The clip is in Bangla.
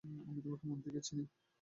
আমি তোমাকে মন থেকেই চিনি।